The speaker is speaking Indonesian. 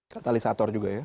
katalisator juga ya